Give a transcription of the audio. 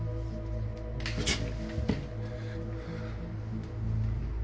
ちょっ。